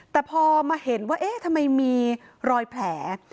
แต่พอมาเห็นว่าเอ๊ะทำไมมีรอยแผล